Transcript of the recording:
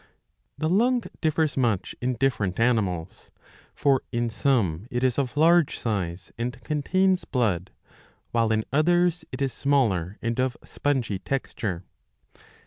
The lung differs much in different animals. For in some it is of large size and contains blood ; while in others it is smaller and of spongy texture.